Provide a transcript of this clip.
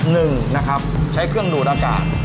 หนึ่งนะครับใช้เครื่องดูดอากาศ